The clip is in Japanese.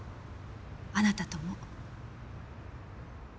あなたとも。